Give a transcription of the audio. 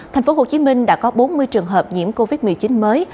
thành phố hồ chí minh đã có bốn mươi trường hợp nhiễm covid một mươi chín mới